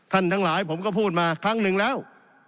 ทั้งหลายผมก็พูดมาครั้งหนึ่งแล้ว